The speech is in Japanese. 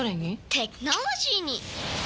テクノロジーに！